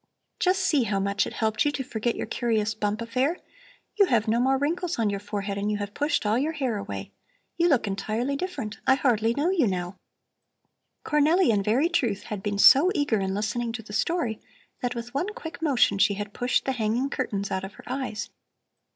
"Just see how much it helped you to forget your curious bump affair. You have no more wrinkles on your forehead and you have pushed all your hair away. You look entirely different; I hardly know you now." Cornelli in very truth had been so eager in listening to the story that with one quick motion she had pushed the hanging curtains out of her eyes.